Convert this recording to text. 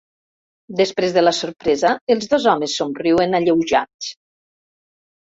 Després de la sorpresa, els dos homes somriuen, alleujats.